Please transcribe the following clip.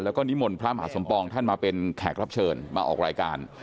แล้วก็นิมนต์พระมหาสมปองท่านมาเป็นแขกรับเชิญมาออกรายการ